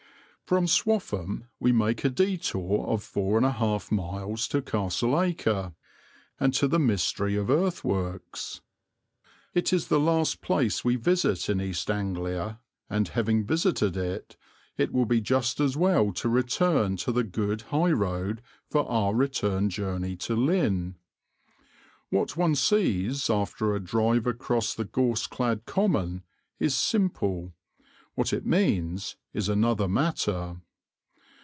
From Swaffham we make a detour of 4 1/2 miles to Castleacre and to the mystery of earthworks. It is the last place we visit in East Anglia, and, having visited it, it will be just as well to return to the good high road for our return journey to Lynn. What one sees, after a drive across a gorse clad common, is simple, what it means is another matter.